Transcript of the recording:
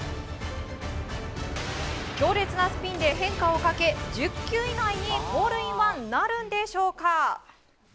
強烈なスピンで変化をかけ１０球以内にホールインワンなるでしょうか？